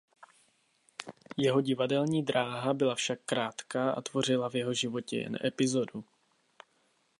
Jeho divadelní dráha byla však krátká a tvořila v jeho životě jen epizodu.